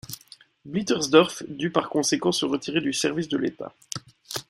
Blittersdorf dut par conséquent se retirer du service de l'État.